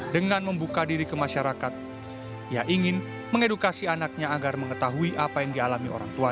dengan membuka diri ke masyarakat ia ingin mengedukasi anaknya agar mengetahui apa yang dialami orang tua